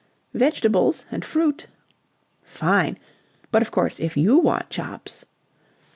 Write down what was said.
"Vegetables and fruit." "Fine! But, of course, if you want chops..."